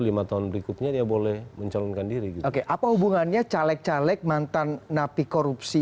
lima tahun berikutnya dia boleh mencalonkan diri gitu oke apa hubungannya caleg caleg mantan napi korupsi